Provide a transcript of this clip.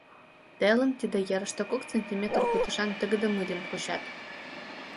Телым тиде ерыште кок сантиметр кутышан тыгыде мыльым кучат.